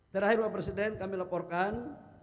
terakhir bapak presiden kami laporkan